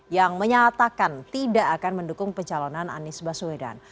yang menyatakan tidak akan mendukung pecalonan anies baswedan